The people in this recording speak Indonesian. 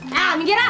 nah minggir lah